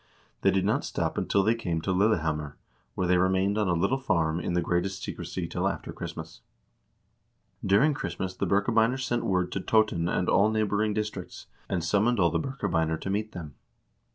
They did not stop until they came to Lille hammer, where they remained on a little farm in the greatest secrecy till after Christmas. During Christmas the Birkebeiner sent word to Toten and all neighboring districts, and summoned all the Birke beiner to meet them.